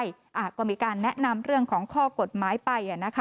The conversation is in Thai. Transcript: ก็จะมีการแนะนำเรื่องของข้อกฎหมายไป